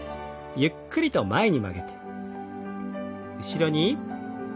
ゆっくりと前に曲げて。